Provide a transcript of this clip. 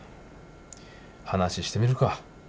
話してみるか。